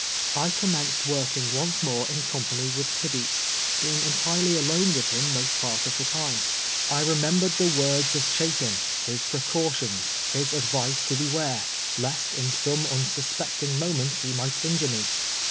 I commenced working once more in company with Tibeats, being entirely alone with him most part of the time. I remembered the words of Chapin, his precautions, his advice to beware, lest in some unsus pecting moment lie might injure me.